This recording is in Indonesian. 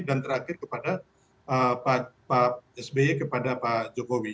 dan terakhir kepada pak sby kepada pak jokowi